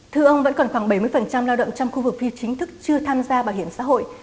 thưa ông vẫn còn khoảng bảy mươi lao động trong khu vực phi chính thức chưa tham gia bảo hiểm xã hội